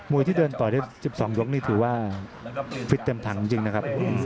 มุยที่โดนต่อที่๑๒นิดลึงฐานถือว่าฟิตเต็มถังจริงนะครับ